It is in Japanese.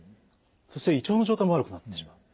そして胃腸の状態も悪くなってしまう。